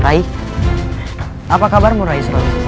rai apa kabarmu rai soe